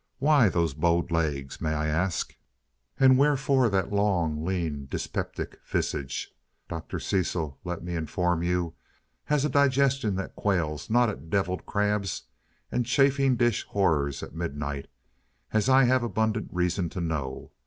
Why those bowed legs, may I ask, and wherefore that long, lean, dyspeptic visage? Dr. Cecil, let me inform you, has a digestion that quails not at deviled crabs and chafing dish horrors at midnight, as I have abundant reason to know.